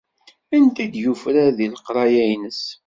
Anda i d-yufrar deg leqraya-ines.